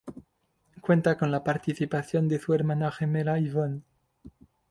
Cuenta con la participación de su hermana gemela Yvonne.